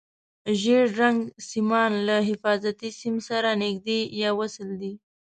ژېړ رنګ سیمان له حفاظتي سیم سره نښتي یا وصل دي.